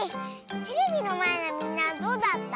テレビのまえのみんなはどうだった？